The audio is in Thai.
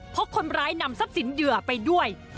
เพราะคนร้ายนำทรัพย์สินเหยื่อไปด้วย